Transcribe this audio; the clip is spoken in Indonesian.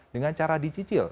dengan cara dijisik